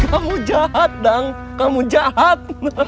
kamu jahat dong kamu jahat